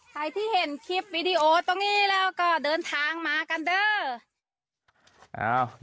ใครที่เห็นคลิปวิดีโอตรงนี้แล้วก็เดินทางมากันเด้อ